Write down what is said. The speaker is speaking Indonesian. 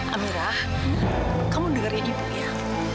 amirah kamu dengarnya ibu ya